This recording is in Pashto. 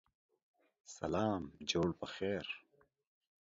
سلام جوړ پخیر